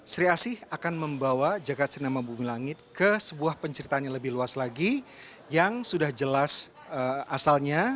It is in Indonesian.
sri asih akan membawa jagad cinema bumi langit ke sebuah penceritaan yang lebih luas lagi yang sudah jelas asalnya